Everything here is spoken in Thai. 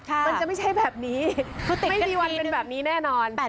มันจะไม่ใช่แบบนี้เขาติดกันเป็นแบบนี้แน่นอน